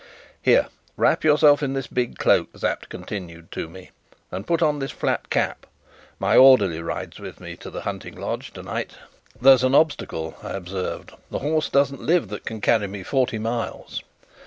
"Here, wrap yourself in this big cloak," Sapt continued to me, "and put on this flat cap. My orderly rides with me to the hunting lodge tonight." "There's an obstacle," I observed. "The horse doesn't live that can carry me forty miles."